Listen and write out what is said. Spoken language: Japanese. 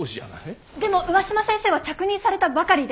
でも上嶋先生は着任されたばかりで。